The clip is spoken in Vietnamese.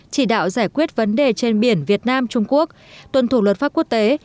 chỉ đạo giải quyết vấn đề trên biển việt nam trung quốc tuân thủ luật pháp quốc tế